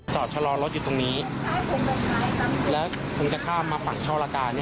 ชะลอรถอยู่ตรงนี้แล้วผมจะข้ามมาฝั่งช่อละกา